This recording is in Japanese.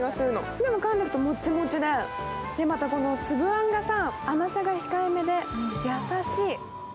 でも、噛んでいくともちもちで、またつぶあんが甘さが控えめで優しい。